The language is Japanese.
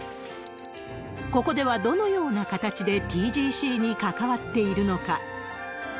ここではどのような形でＴＧＣに関わっているのか。